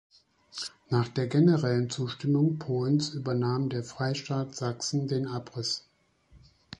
Nach der generellen Zustimmung Polens übernahm der Freistaat Sachsen den Abriss.